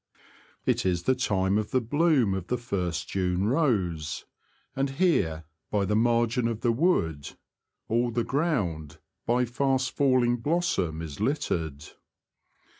It is the time of the bloom of the first June rose ; and here, by the margin of the wood, all the ground by fast falling blossom is littered.